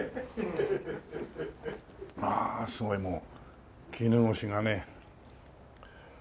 ああすごいもう絹ごしがね。